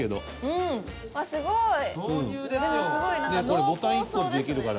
これボタン１個で出来るから。